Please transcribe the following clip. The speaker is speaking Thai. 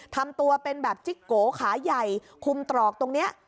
ทำตัวเป็นแบบจิ๊กโกขาใหญ่คุมตรอกตรงนี้